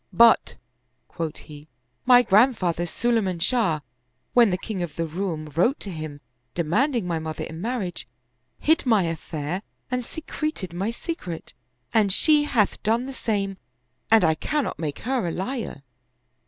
" But," quoth he, " my grandfather Sulay man Shah, when the king of the Roum wrote to him de manding my mother in marriage, hid my affair and secreted my secret ; and she hath done the same, and I cannot make her a liar."